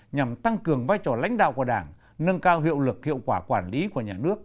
nhằm tăng cường vai trò lãnh đạo của đảng nâng cao hiệu lực hiệu quả quản lý của nhà nước